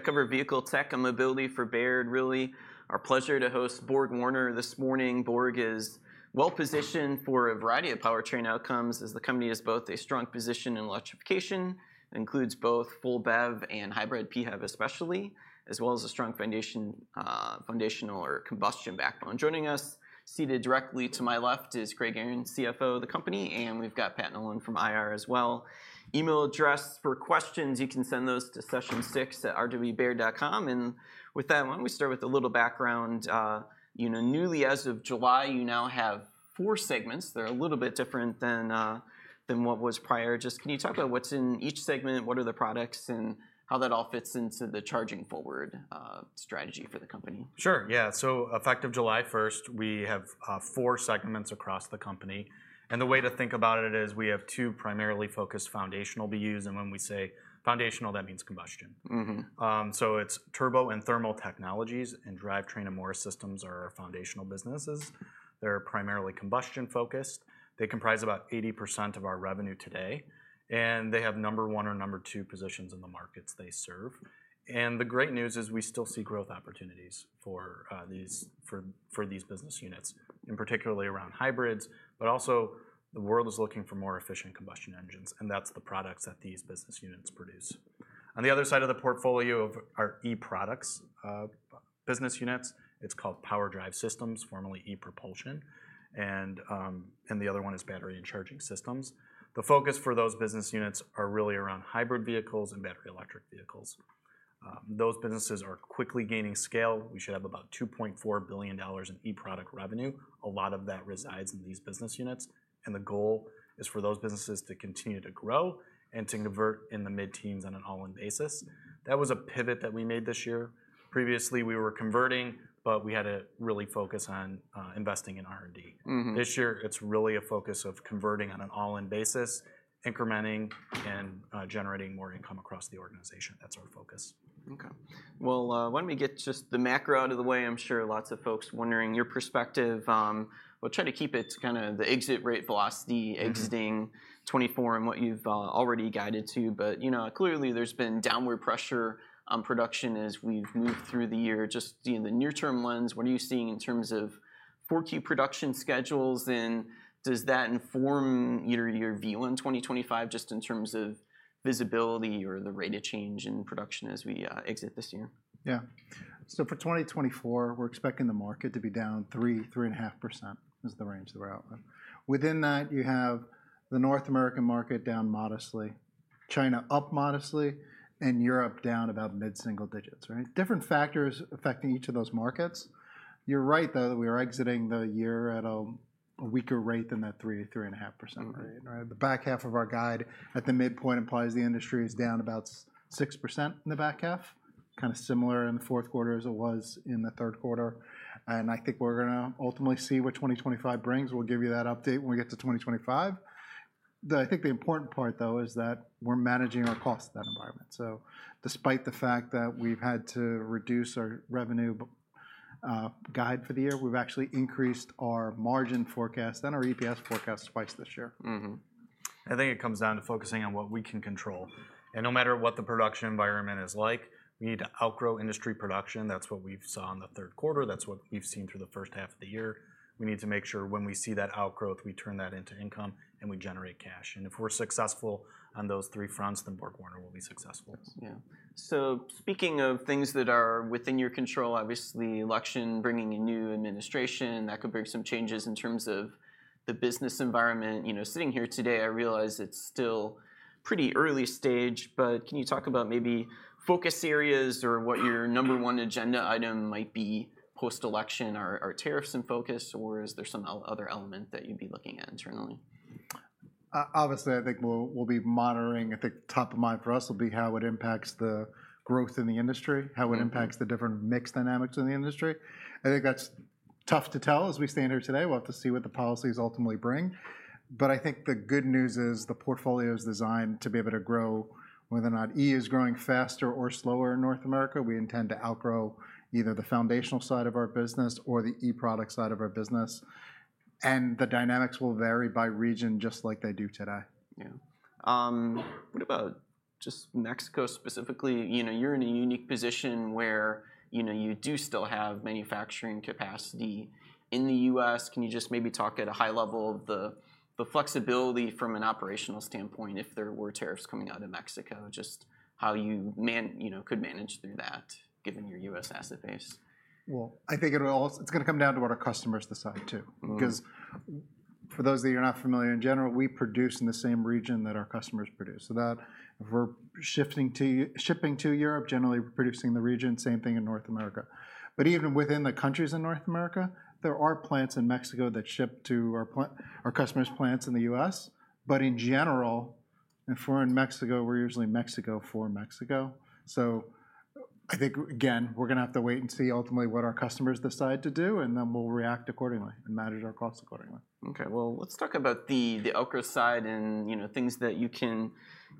cover vehicle tech and mobility for Baird. Really, it's our pleasure to host BorgWarner this morning. Borg is well-positioned for a variety of powertrain outcomes, as the company has both a strong position in electrification, includes both full BEV and hybrid PHEV especially, as well as a strong foundational or combustion backbone. Joining us, seated directly to my left, is Craig Aaron, CFO of the company, and we've got Pat Nolan from IR as well. Email address for questions, you can send those to session6@rwbaird.com. And with that, why don't we start with a little background? Newly, as of July, you now have four segments. They're a little bit different than what was prior. Just can you talk about what's in each segment, what are the products, and how that all fits into the charging-forward strategy for the company? Sure. Yeah. So effective July 1st, we have four segments across the company. And the way to think about it is we have two primarily focused foundational BUs. And when we say foundational, that means combustion. So it's Turbo and Thermal Technologies, and Drivetrain and Morse Systems are our foundational businesses. They're primarily combustion-focused. They comprise about 80% of our revenue today. And they have number one or number two positions in the markets they serve. And the great news is we still see growth opportunities for these business units, in particular around hybrids, but also the world is looking for more efficient combustion engines. And that's the products that these business units produce. On the other side of the portfolio are e-products business units. It's called PowerDrive Systems, formerly ePropulsion. And the other one is Battery and Charging Systems. The focus for those business units is really around hybrid vehicles and battery-electric vehicles. Those businesses are quickly gaining scale. We should have about $2.4 billion in e-product revenue. A lot of that resides in these business units. And the goal is for those businesses to continue to grow and to convert in the mid-teens on an all-in basis. That was a pivot that we made this year. Previously, we were converting, but we had to really focus on investing in R&D. This year, it's really a focus of converting on an all-in basis, incrementing, and generating more income across the organization. That's our focus. OK. Well, why don't we get just the macro out of the way? I'm sure lots of folks are wondering your perspective. We'll try to keep it kind of the exit rate velocity, exiting 2024 and what you've already guided to. But clearly, there's been downward pressure on production as we've moved through the year. Just in the near-term lens, what are you seeing in terms of OEM production schedules? And does that inform your year view into 2025, just in terms of visibility or the rate of change in production as we exit this year? Yeah. So for 2024, we're expecting the market to be down 3%-3.5% is the range that we're out of. Within that, you have the North American market down modestly, China up modestly, and Europe down about mid-single digits, right? Different factors affecting each of those markets. You're right, though, that we are exiting the year at a weaker rate than that 3%-3.5% rate. The back half of our guide at the midpoint implies the industry is down about 6% in the back half, kind of similar in the fourth quarter as it was in the third quarter. And I think we're going to ultimately see what 2025 brings. We'll give you that update when we get to 2025. I think the important part, though, is that we're managing our costs in that environment. So despite the fact that we've had to reduce our revenue guide for the year, we've actually increased our margin forecast and our EPS forecast twice this year. I think it comes down to focusing on what we can control. And no matter what the production environment is like, we need to outgrow industry production. That's what we saw in the third quarter. That's what we've seen through the first half of the year. We need to make sure when we see that outgrowth, we turn that into income and we generate cash. And if we're successful on those three fronts, then BorgWarner will be successful. Yeah. So speaking of things that are within your control, obviously, election, bringing a new administration, that could bring some changes in terms of the business environment. Sitting here today, I realize it's still pretty early stage. But can you talk about maybe focus areas or what your number one agenda item might be post-election? Are tariffs in focus, or is there some other element that you'd be looking at internally? Obviously, I think we'll be monitoring. I think top of mind for us will be how it impacts the growth in the industry, how it impacts the different mixed dynamics in the industry. I think that's tough to tell as we stand here today. We'll have to see what the policies ultimately bring. But I think the good news is the portfolio is designed to be able to grow whether or not E is growing faster or slower in North America. We intend to outgrow either the foundational side of our business or the e-product side of our business, and the dynamics will vary by region, just like they do today. Yeah. What about just Mexico specifically? You're in a unique position where you do still have manufacturing capacity in the U.S. Can you just maybe talk at a high level of the flexibility from an operational standpoint if there were tariffs coming out of Mexico, just how you could manage through that, given your U.S. asset base? I think it's going to come down to what our customers decide, too. Because for those of you who are not familiar, in general, we produce in the same region that our customers produce. So if we're shipping to Europe, generally producing in the region, same thing in North America. But even within the countries in North America, there are plants in Mexico that ship to our customers' plants in the U.S. But in general, if we're in Mexico, we're usually Mexico for Mexico. So I think, again, we're going to have to wait and see ultimately what our customers decide to do. And then we'll react accordingly and manage our costs accordingly. Okay. Let's talk about the Akasol side and things that you can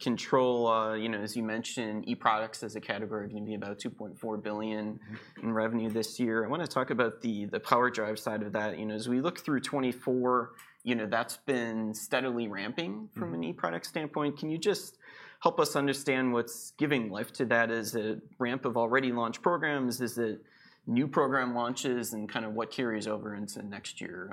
control. As you mentioned, e-products as a category are going to be about $2.4 billion in revenue this year. I want to talk about the PowerDrive side of that. As we look through 2024, that's been steadily ramping from an e-product standpoint. Can you just help us understand what's giving life to that? Is it a ramp of already launched programs? Is it new program launches? And kind of what carries over into next year?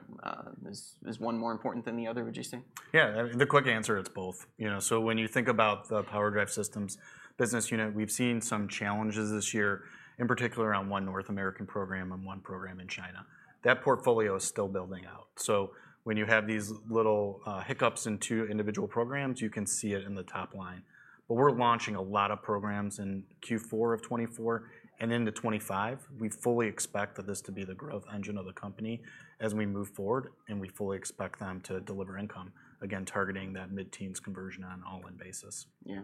Is one more important than the other, would you say? Yeah. The quick answer, it's both. So when you think about the PowerDrive Systems business unit, we've seen some challenges this year, in particular on one North American program and one program in China. That portfolio is still building out. So when you have these little hiccups in two individual programs, you can see it in the top line. But we're launching a lot of programs in Q4 of 2024 and into 2025. We fully expect that this to be the growth engine of the company as we move forward. And we fully expect them to deliver income, again, targeting that mid-teens conversion on an all-in basis. Yeah.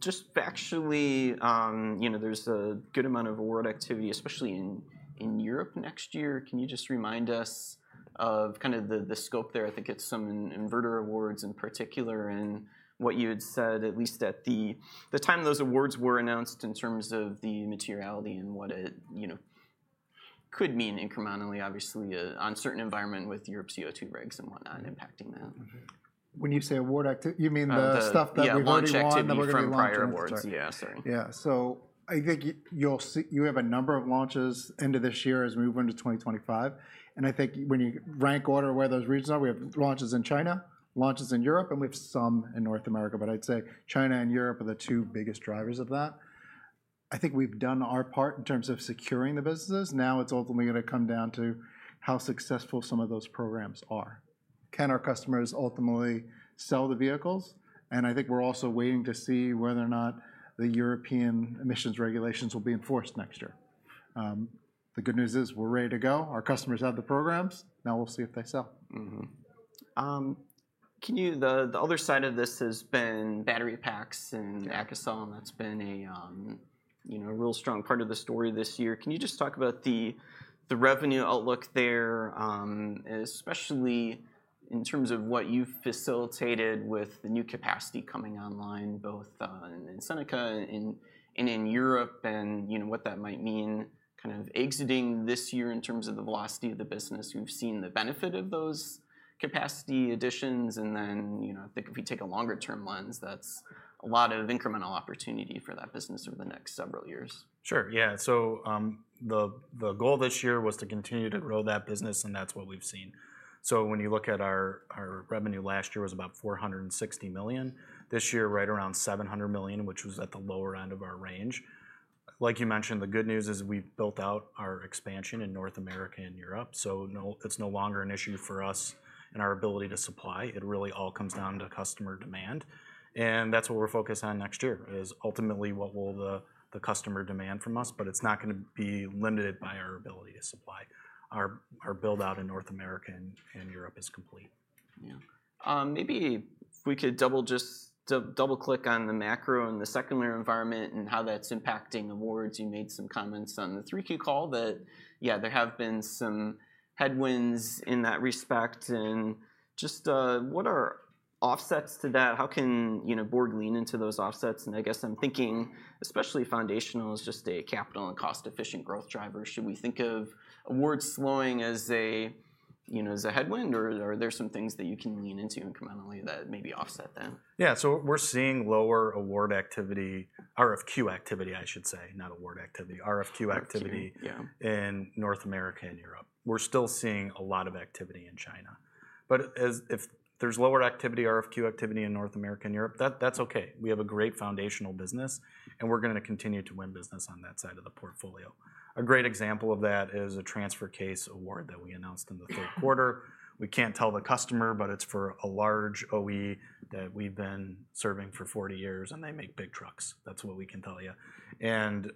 Just actually, there's a good amount of award activity, especially in Europe next year. Can you just remind us of kind of the scope there? I think it's some inverter awards in particular. And what you had said, at least at the time those awards were announced, in terms of the materiality and what it could mean incrementally, obviously, on certain environment with Europe's CO2 regs and whatnot impacting that. When you say award activity, you mean the stuff that we've already launched and that we're going to be launching? Yeah. Sorry. Yeah. So I think you have a number of launches into this year as we move into 2025. And I think when you rank order where those regions are, we have launches in China, launches in Europe, and we have some in North America. But I'd say China and Europe are the two biggest drivers of that. I think we've done our part in terms of securing the businesses. Now it's ultimately going to come down to how successful some of those programs are. Can our customers ultimately sell the vehicles? And I think we're also waiting to see whether or not the European emissions regulations will be enforced next year. The good news is we're ready to go. Our customers have the programs. Now we'll see if they sell. The other side of this has been battery packs and Akasol. And that's been a real strong part of the story this year. Can you just talk about the revenue outlook there, especially in terms of what you've facilitated with the new capacity coming online, both in Seneca and in Europe, and what that might mean kind of exiting this year in terms of the velocity of the business? We've seen the benefit of those capacity additions. And then I think if we take a longer-term lens, that's a lot of incremental opportunity for that business over the next several years. Sure. Yeah. So the goal this year was to continue to grow that business. And that's what we've seen. So when you look at our revenue last year was about $460 million. This year, right around $700 million, which was at the lower end of our range. Like you mentioned, the good news is we've built out our expansion in North America and Europe. So it's no longer an issue for us and our ability to supply. It really all comes down to customer demand. And that's what we're focused on next year, is ultimately what will the customer demand from us. But it's not going to be limited by our ability to supply. Our build-out in North America and Europe is complete. Yeah. Maybe if we could double-click on the macro and the semi environment and how that's impacting awards. You made some comments on the 3Q call that, yeah, there have been some headwinds in that respect. And just what are offsets to that? How can Borg lean into those offsets? And I guess I'm thinking, especially foundational, is just a capital and cost-efficient growth driver. Should we think of awards slowing as a headwind? Or are there some things that you can lean into incrementally that maybe offset that? Yeah. So we're seeing lower award activity, RFQ activity, I should say, not award activity, RFQ activity in North America and Europe. We're still seeing a lot of activity in China. But if there's lower activity, RFQ activity in North America and Europe, that's OK. We have a great foundational business. And we're going to continue to win business on that side of the portfolio. A great example of that is a transfer case award that we announced in the third quarter. We can't tell the customer, but it's for a large OE that we've been serving for 40 years. And they make big trucks. That's what we can tell you. And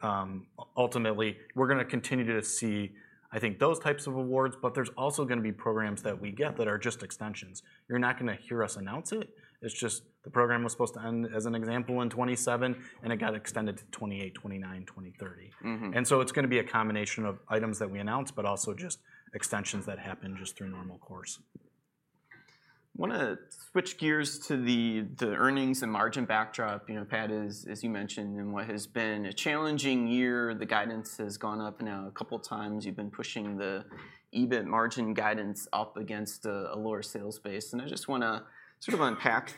ultimately, we're going to continue to see, I think, those types of awards. But there's also going to be programs that we get that are just extensions. You're not going to hear us announce it. It's just the program was supposed to end, as an example, in 2027. And it got extended to 2028, 2029, 2030. And so it's going to be a combination of items that we announce, but also just extensions that happen just through normal course. I want to switch gears to the earnings and margin backdrop. Pat, as you mentioned, in what has been a challenging year, the guidance has gone up. Now, a couple of times, you've been pushing the EBIT margin guidance up against a lower sales base, and I just want to sort of unpack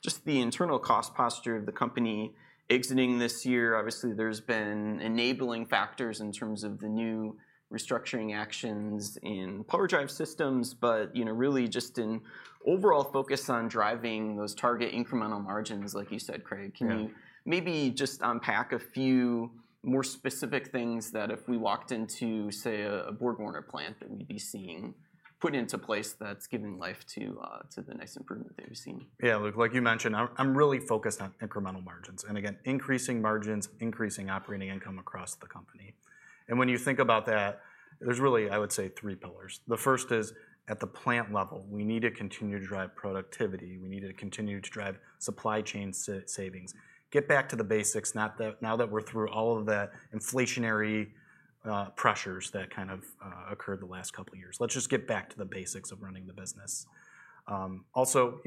just the internal cost posture of the company exiting this year. Obviously, there's been enabling factors in terms of the new restructuring actions in PowerDrive Systems, but really, just an overall focus on driving those target incremental margins, like you said, Craig. Can you maybe just unpack a few more specific things that if we walked into, say, a BorgWarner plant, that we'd be seeing put into place that's giving life to the nice improvement that we've seen? Yeah. Look, like you mentioned, I'm really focused on incremental margins, and again, increasing margins, increasing operating income across the company, and when you think about that, there's really, I would say, three pillars. The first is at the plant level, we need to continue to drive productivity. We need to continue to drive supply chain savings. Get back to the basics, now that we're through all of the inflationary pressures that kind of occurred the last couple of years. Let's just get back to the basics of running the business. Also,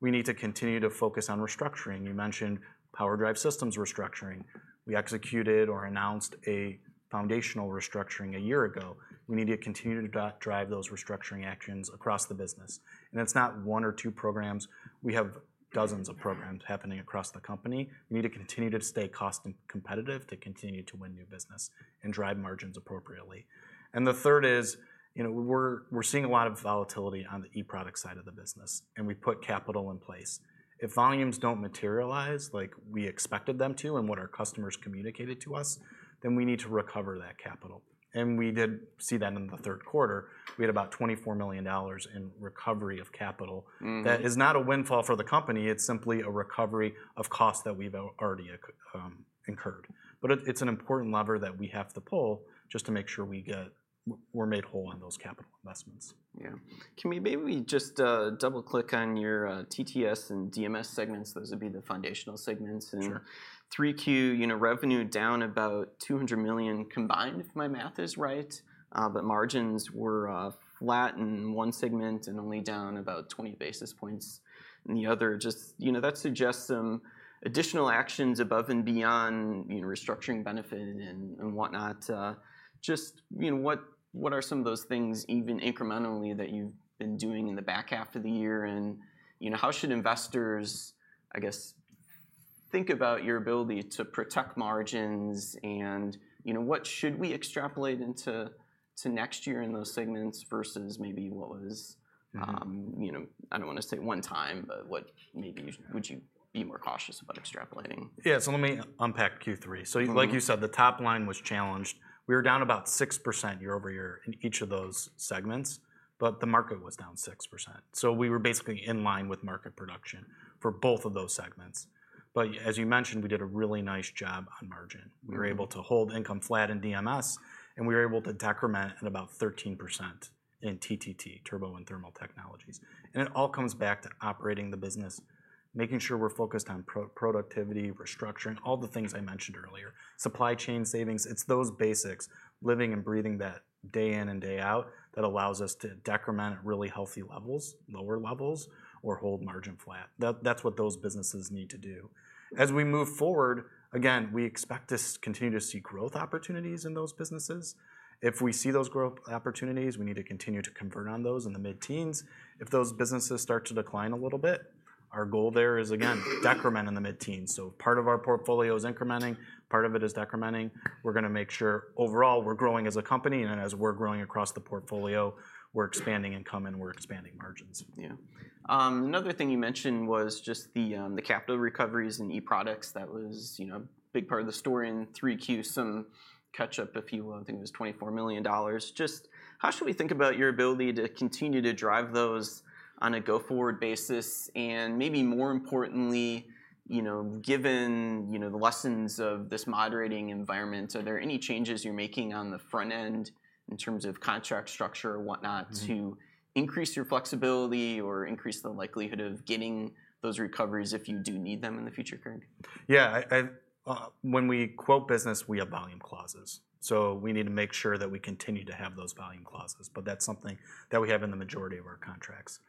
we need to continue to focus on restructuring. You mentioned PowerDrive Systems restructuring. We executed or announced a foundational restructuring a year ago. We need to continue to drive those restructuring actions across the business, and it's not one or two programs. We have dozens of programs happening across the company. We need to continue to stay cost-competitive, to continue to win new business, and drive margins appropriately. And the third is we're seeing a lot of volatility on the e-products side of the business. And we put capital in place. If volumes don't materialize like we expected them to and what our customers communicated to us, then we need to recover that capital. And we did see that in the third quarter. We had about $24 million in recovery of capital. That is not a windfall for the company. It's simply a recovery of cost that we've already incurred. But it's an important lever that we have to pull just to make sure we're made whole on those capital investments. Yeah. Can we maybe just double-click on your TTS and DMS segments? Those would be the foundational segments. And 3Q revenue down about $200 million combined, if my math is right. But margins were flat in one segment and only down about 20 basis points in the other. Just that suggests some additional actions above and beyond restructuring benefit and whatnot. Just what are some of those things, even incrementally, that you've been doing in the back half of the year? And how should investors, I guess, think about your ability to protect margins? And what should we extrapolate into next year in those segments versus maybe what was, I don't want to say one time, but what maybe would you be more cautious about extrapolating? Yeah. So let me unpack Q3. So like you said, the top line was challenged. We were down about 6% year-over-year in each of those segments. But the market was down 6%. So we were basically in line with market production for both of those segments. But as you mentioned, we did a really nice job on margin. We were able to hold income flat in DMS. And we were able to decrement at about 13% in TTT, Turbo and Thermal Technologies. And it all comes back to operating the business, making sure we're focused on productivity, restructuring, all the things I mentioned earlier, supply chain savings. It's those basics, living and breathing that day in and day out, that allows us to decrement at really healthy levels, lower levels, or hold margin flat. That's what those businesses need to do. As we move forward, again, we expect to continue to see growth opportunities in those businesses. If we see those growth opportunities, we need to continue to convert on those in the mid-teens. If those businesses start to decline a little bit, our goal there is, again, decrement in the mid-teens. So part of our portfolio is incrementing. Part of it is decrementing. We're going to make sure, overall, we're growing as a company. And as we're growing across the portfolio, we're expanding income and we're expanding margins. Yeah. Another thing you mentioned was just the capital recoveries in e-products. That was a big part of the story in Q3. Some catch-up, if you will. I think it was $24 million. Just how should we think about your ability to continue to drive those on a go-forward basis? And maybe more importantly, given the lessons of this moderating environment, are there any changes you're making on the front end in terms of contract structure or whatnot to increase your flexibility or increase the likelihood of getting those recoveries if you do need them in the future, Craig? Yeah. When we quote business, we have volume clauses. So we need to make sure that we continue to have those volume clauses. But that's something that we have in the majority of our contracts.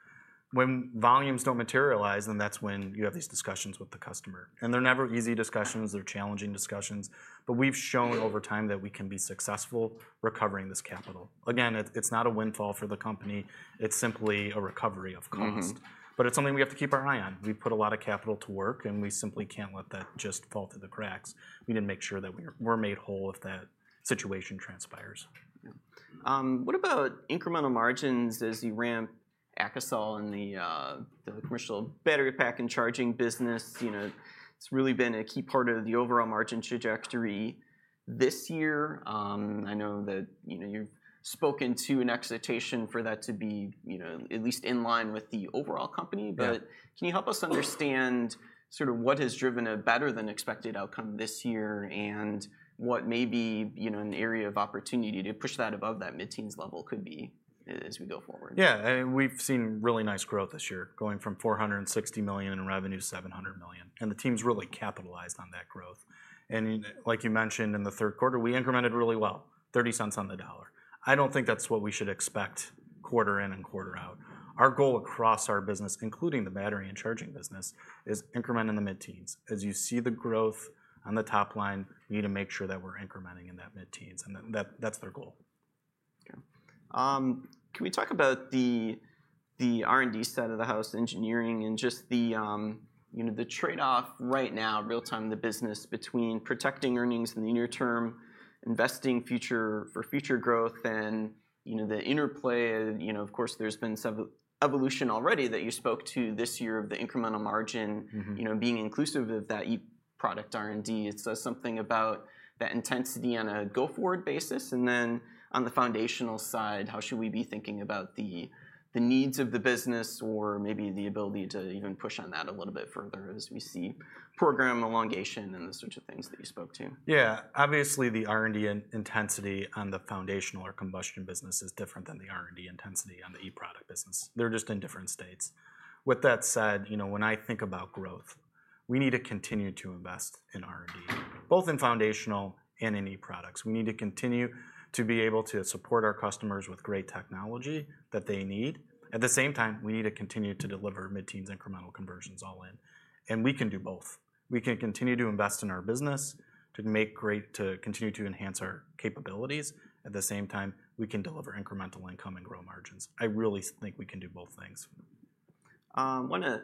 When volumes don't materialize, then that's when you have these discussions with the customer. And they're never easy discussions. They're challenging discussions. But we've shown over time that we can be successful recovering this capital. Again, it's not a windfall for the company. It's simply a recovery of cost. But it's something we have to keep our eye on. We've put a lot of capital to work. And we simply can't let that just fall through the cracks. We need to make sure that we're made whole if that situation transpires. What about incremental margins as you ramp Akasol in the commercial battery pack and charging business? It's really been a key part of the overall margin trajectory this year. I know that you've spoken to an expectation for that to be at least in line with the overall company. But can you help us understand sort of what has driven a better-than-expected outcome this year and what may be an area of opportunity to push that above that mid-teens level could be as we go forward? Yeah, and we've seen really nice growth this year, going from $460 million in revenue to $700 million, and the team's really capitalized on that growth, and like you mentioned in the third quarter, we incremented really well, $0.30 on the dollar. I don't think that's what we should expect quarter in and quarter out. Our goal across our business, including the battery and charging business, is increment in the mid-teens. As you see the growth on the top line, we need to make sure that we're incrementing in that mid-teens, and that's their goal. Can we talk about the R&D side of the house, engineering, and just the trade-off right now, real-time in the business between protecting earnings in the near term, investing for future growth, and the interplay? Of course, there's been some evolution already that you spoke to this year of the incremental margin being inclusive of that e-products R&D. It says something about that intensity on a go-forward basis, and then on the foundational side, how should we be thinking about the needs of the business or maybe the ability to even push on that a little bit further as we see program elongation and the sorts of things that you spoke to? Yeah. Obviously, the R&D intensity on the foundational or combustion business is different than the R&D intensity on the e-product business. They're just in different states. With that said, when I think about growth, we need to continue to invest in R&D, both in foundational and in e-products. We need to continue to be able to support our customers with great technology that they need. At the same time, we need to continue to deliver mid-teens incremental conversions all in. And we can do both. We can continue to invest in our business to continue to enhance our capabilities. At the same time, we can deliver incremental income and grow margins. I really think we can do both things. I want to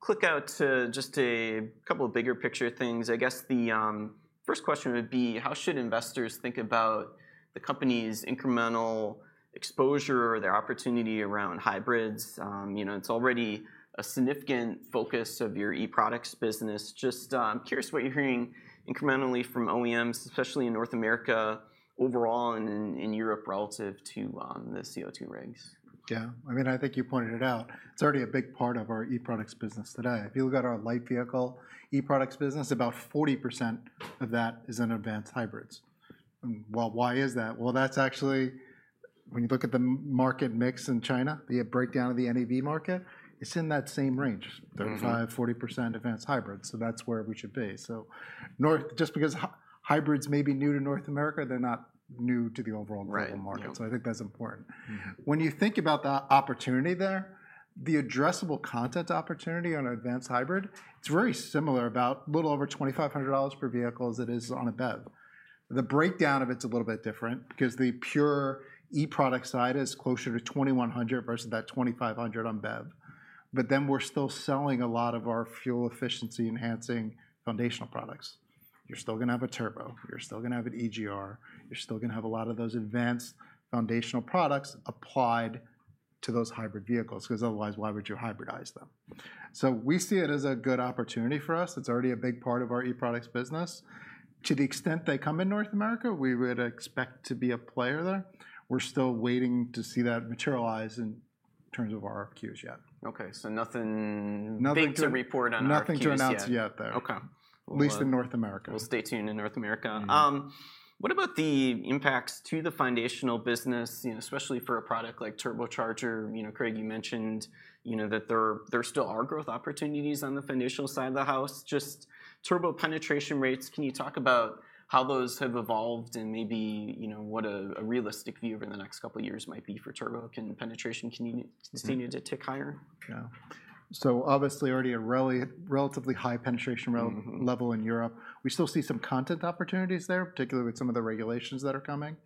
click out to just a couple of bigger picture things. I guess the first question would be, how should investors think about the company's incremental exposure or their opportunity around hybrids? It's already a significant focus of your e-products business. Just curious what you're hearing incrementally from OEMs, especially in North America, overall, and in Europe relative to the CO2 regs. Yeah. I mean, I think you pointed it out. It's already a big part of our e-products business today. If you look at our light vehicle e-products business, about 40% of that is in advanced hybrids. Why is that? Well, that's actually, when you look at the market mix in China, the breakdown of the NEV market, it's in that same range, 35%-40% advanced hybrids. So that's where we should be. So just because hybrids may be new to North America, they're not new to the overall global market. So I think that's important. When you think about the opportunity there, the addressable content opportunity on an advanced hybrid, it's very similar, about a little over $2,500 per vehicle as it is on a BEV. The breakdown of it's a little bit different because the pure e-product side is closer to $2,100 versus that $2,500 on BEV. But then we're still selling a lot of our fuel efficiency enhancing foundational products. You're still going to have a turbo. You're still going to have an EGR. You're still going to have a lot of those advanced foundational products applied to those hybrid vehicles. Because otherwise, why would you hybridize them? So we see it as a good opportunity for us. It's already a big part of our e-products business. To the extent they come in North America, we would expect to be a player there. We're still waiting to see that materialize in terms of our queues yet. OK, so nothing to report on our side. Nothing to announce yet there, at least in North America. We'll stay tuned in North America. What about the impacts to the foundational business, especially for a product like turbocharger? Craig, you mentioned that there still are growth opportunities on the foundational side of the house. Just turbo penetration rates, can you talk about how those have evolved and maybe what a realistic view over the next couple of years might be for turbo penetration? Continue to tick higher? Yeah. So obviously, already a relatively high penetration level in Europe. We still see some content opportunities there, particularly with some of the regulations that are coming.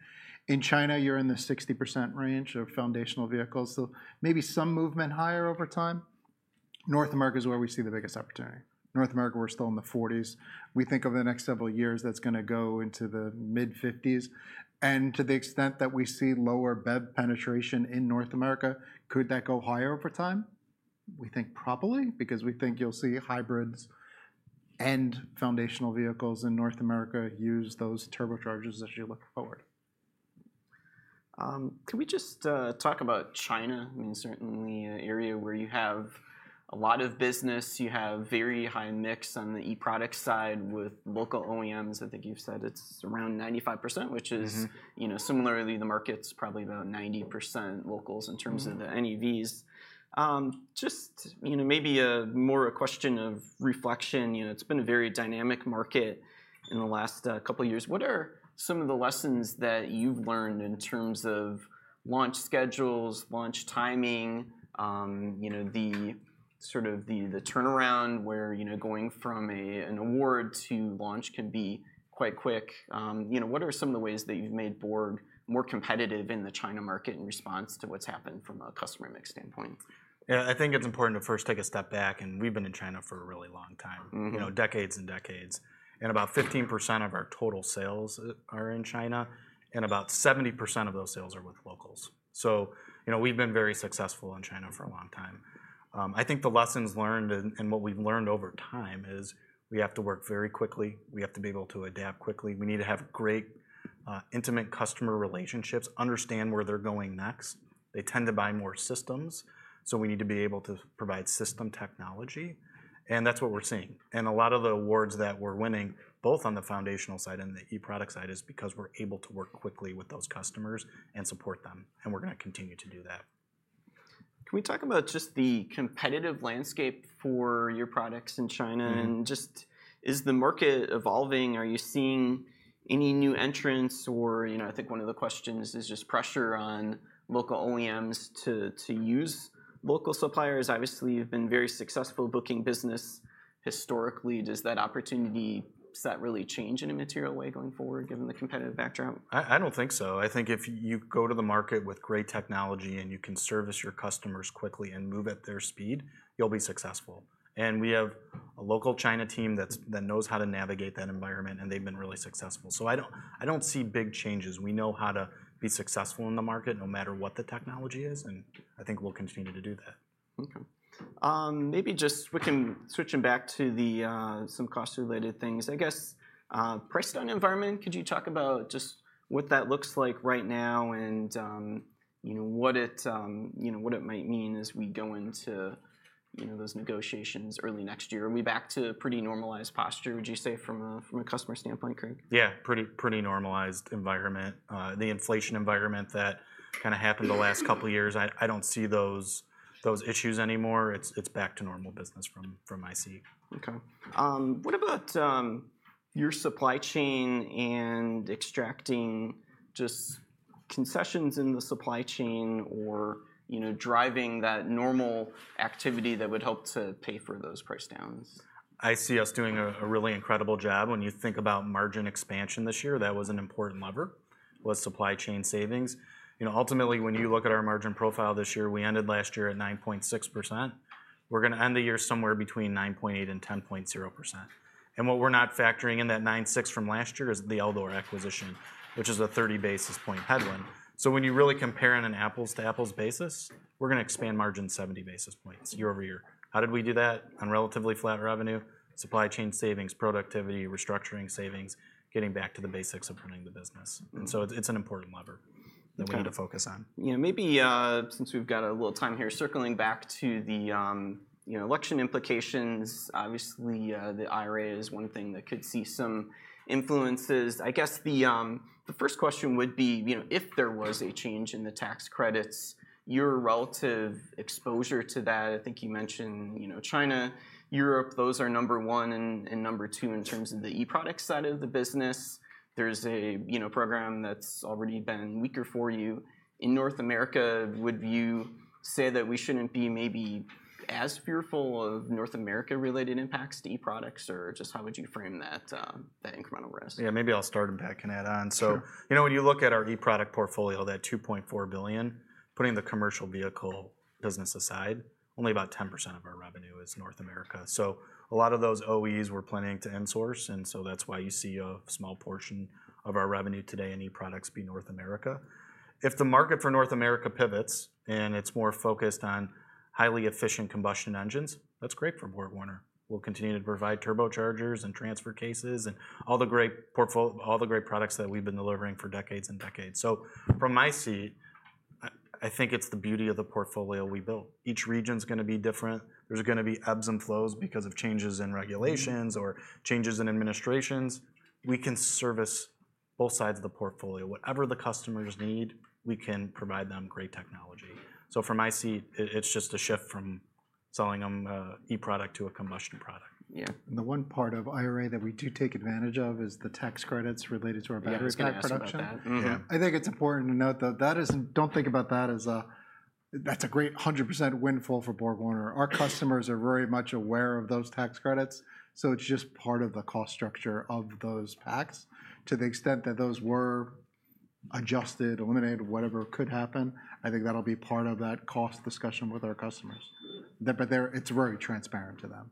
In China, you're in the 60% range of foundational vehicles. So maybe some movement higher over time. North America is where we see the biggest opportunity. North America, we're still in the 40s. We think over the next several years that's going to go into the mid-50s, and to the extent that we see lower BEV penetration in North America, could that go higher over time? We think probably because we think you'll see hybrids and foundational vehicles in North America use those turbochargers as you look forward. Can we just talk about China? I mean, certainly an area where you have a lot of business. You have very high mix on the e-product side with local OEMs. I think you've said it's around 95%, which is similarly the market's probably about 90% locals in terms of the NEVs. Just maybe more a question of reflection. It's been a very dynamic market in the last couple of years. What are some of the lessons that you've learned in terms of launch schedules, launch timing, sort of the turnaround where going from an award to launch can be quite quick? What are some of the ways that you've made BorgWarner more competitive in the China market in response to what's happened from a customer mix standpoint? Yeah. I think it's important to first take a step back, and we've been in China for a really long time, decades and decades. About 15% of our total sales are in China, and about 70% of those sales are with locals, so we've been very successful in China for a long time. I think the lessons learned and what we've learned over time is we have to work very quickly. We have to be able to adapt quickly. We need to have great, intimate customer relationships, understand where they're going next. They tend to buy more systems, so we need to be able to provide system technology, and that's what we're seeing, and a lot of the awards that we're winning, both on the foundational side and the e-product side, is because we're able to work quickly with those customers and support them. We're going to continue to do that. Can we talk about just the competitive landscape for your products in China? And just is the market evolving? Are you seeing any new entrants? Or I think one of the questions is just pressure on local OEMs to use local suppliers. Obviously, you've been very successful booking business historically. Does that opportunity set really change in a material way going forward, given the competitive backdrop? I don't think so. I think if you go to the market with great technology and you can service your customers quickly and move at their speed, you'll be successful. And we have a local China team that knows how to navigate that environment. And they've been really successful. So I don't see big changes. We know how to be successful in the market no matter what the technology is. And I think we'll continue to do that. OK. Maybe just we can switch back to some cost-related things. I guess price-down environment, could you talk about just what that looks like right now and what it might mean as we go into those negotiations early next year? Are we back to a pretty normalized posture, would you say, from a customer standpoint, Craig? Yeah. Pretty normalized environment. The inflation environment that kind of happened the last couple of years, I don't see those issues anymore. It's back to normal business from my seat. OK. What about your supply chain and extracting just concessions in the supply chain or driving that normal activity that would help to pay for those price downs? ICS doing a really incredible job. When you think about margin expansion this year, that was an important lever: supply chain savings. Ultimately, when you look at our margin profile this year, we ended last year at 9.6%. We're going to end the year somewhere between 9.8% and 10.0%, and what we're not factoring in that 9.6% from last year is the Eldor acquisition, which is a 30 basis point headwind, so when you really compare on an apples-to-apples basis, we're going to expand margin 70 basis points year-over-year. How did we do that on relatively flat revenue, supply chain savings, productivity, restructuring savings, getting back to the basics of running the business, and so it's an important lever that we need to focus on. Maybe since we've got a little time here, circling back to the election implications, obviously, the IRA is one thing that could see some influences. I guess the first question would be, if there was a change in the tax credits, your relative exposure to that. I think you mentioned China, Europe, those are number one and number two in terms of the e-product side of the business. There's a program that's already been weaker for you. In North America, would you say that we shouldn't be maybe as fearful of North America-related impacts to e-products? Or just how would you frame that incremental risk? Yeah. Maybe I'll start and back and add on. So when you look at our e-product portfolio, that $2.4 billion, putting the commercial vehicle business aside, only about 10% of our revenue is North America. So a lot of those OEs we're planning to insource. And so that's why you see a small portion of our revenue today in e-products be North America. If the market for North America pivots and it's more focused on highly efficient combustion engines, that's great for BorgWarner. We'll continue to provide turbochargers and transfer cases and all the great products that we've been delivering for decades and decades. So from my seat, I think it's the beauty of the portfolio we built. Each region is going to be different. There's going to be ebbs and flows because of changes in regulations or changes in administrations. We can service both sides of the portfolio. Whatever the customers need, we can provide them great technology. So from my seat, it's just a shift from selling them an e-product to a combustion product. Yeah. The one part of IRA that we do take advantage of is the tax credits related to our battery pack production. Tax credits. Yeah. I think it's important to note that don't think about that as that's a great 100% windfall for BorgWarner. Our customers are very much aware of those tax credits. So it's just part of the cost structure of those packs. To the extent that those were adjusted, eliminated, whatever could happen, I think that'll be part of that cost discussion with our customers. But it's very transparent to them.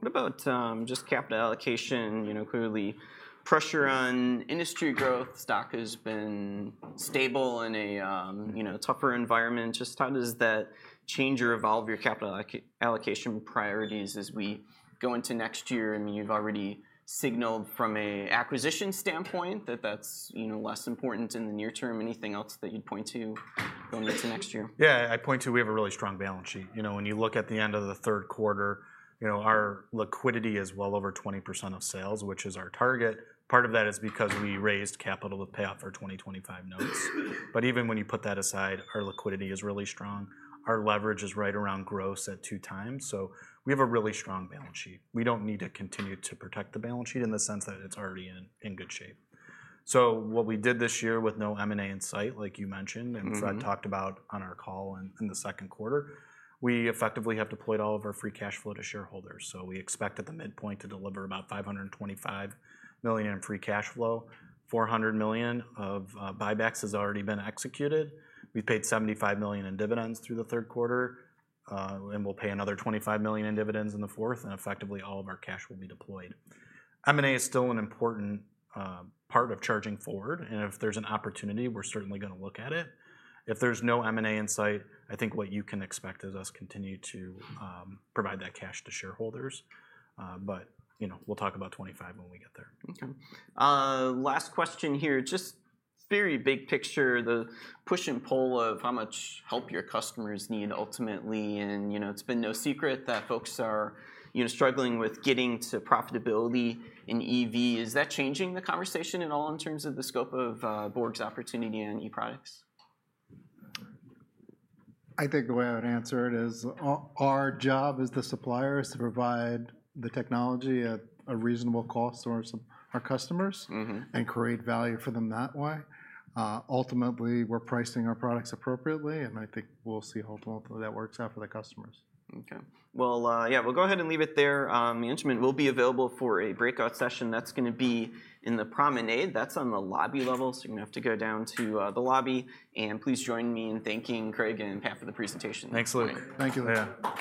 What about just capital allocation? Clearly, pressure on industry growth. Stock has been stable in a tougher environment. Just how does that change or evolve your capital allocation priorities as we go into next year? I mean, you've already signaled from an acquisition standpoint that that's less important in the near term. Anything else that you'd point to going into next year? Yeah. I point to we have a really strong balance sheet. When you look at the end of the third quarter, our liquidity is well over 20% of sales, which is our target. Part of that is because we raised capital to pay off our 2025 notes. But even when you put that aside, our liquidity is really strong. Our leverage is right around gross at two times. So we have a really strong balance sheet. We don't need to continue to protect the balance sheet in the sense that it's already in good shape. So what we did this year with no M&A in sight, like you mentioned, and what I talked about on our call in the second quarter, we effectively have deployed all of our free cash flow to shareholders. So we expect at the midpoint to deliver about $525 million in free cash flow. $400 million of buybacks has already been executed. We've paid $75 million in dividends through the third quarter, and we'll pay another $25 million in dividends in the fourth, and effectively, all of our cash will be deployed. M&A is still an important part of charging forward, and if there's an opportunity, we're certainly going to look at it. If there's no M&A in sight, I think what you can expect is us continue to provide that cash to shareholders, but we'll talk about $25 million when we get there. OK. Last question here. Just very big picture, the push and pull of how much help your customers need ultimately. And it's been no secret that folks are struggling with getting to profitability in EV. Is that changing the conversation at all in terms of the scope of Borg's opportunity on e-products? I think the way I would answer it is our job as the supplier is to provide the technology at a reasonable cost to our customers and create value for them that way. Ultimately, we're pricing our products appropriately, and I think we'll see how well that works out for the customers. OK. Well, yeah, we'll go ahead and leave it there. The investor will be available for a breakout session. That's going to be in the Promenade. That's on the lobby level. So you're going to have to go down to the lobby, and please join me in thanking Craig and Pat for the presentation. Thanks, Luke. Thank you. Yeah.